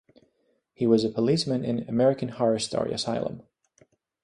He was a policeman in "American Horror Story" Asylum.